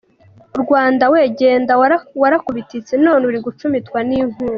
Rwanda we, genda warakubititse none uri gucumitwa n’inkungu!